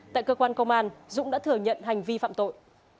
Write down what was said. tại cơ quan công an dũng đã thừa nhận hành vi phạm tội